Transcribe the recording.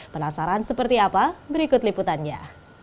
penasaran seperti apa berikut liputannya